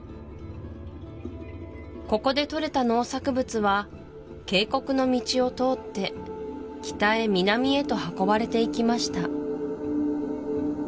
ここでとれた農作物は渓谷の道を通って北へ南へと運ばれていきました